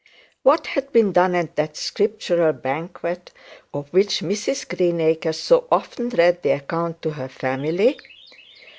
What had been done at that scriptural banquet, of which Mrs Greenacre so often read the account to her family?